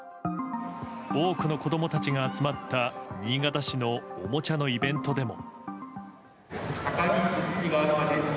多くの子供たちが集まった新潟市のおもちゃのイベントでも。